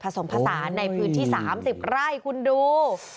ผสมผสานในพื้นที่๓๐ไร่คุณดู